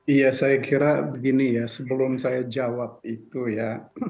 iya saya kira begini ya sebelum saya jawab itu ya